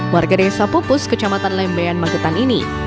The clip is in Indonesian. warga desa pupus kecamatan lembean magetan ini